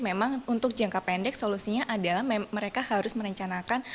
memang untuk jangka pendek solusinya adalah mereka harus merencanakan